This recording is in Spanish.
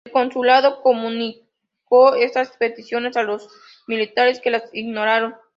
El consulado comunicó estas peticiones a los militares, que las ignoraron.